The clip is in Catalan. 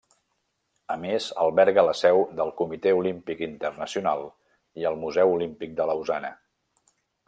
A més, alberga la seu del Comitè Olímpic Internacional i el Museu Olímpic de Lausana.